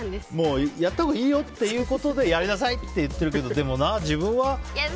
やったほうがいいよということでやりなさいって言ってるけど、自分は。